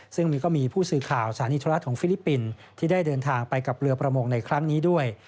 ซึ่งก็มีผู้สื่อข่าวสถานีธรรมรัฐของฟิลิปปินส์ที่ได้เดินทางไปกับเรือประมงในครั้งนี้ด้วย